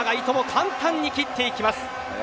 簡単に切っていきます。